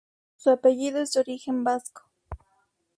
Su apellido es de origen vasco.